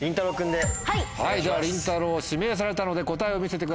ではりんたろう指名されたので答えを見せてください。